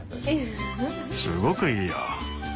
すごくいいよ。